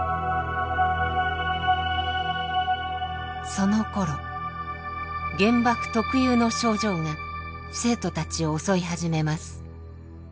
そのころ原爆特有の症状が生徒たちを襲い始めます。